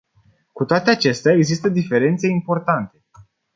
Cu toate acestea, există diferențe importante.